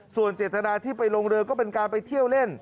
ส่วนเจตนาที่ไปลงเรือก็เป็นการไปเที่ยวเล่น